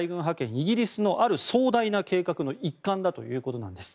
イギリスのある壮大な計画の一環だということです。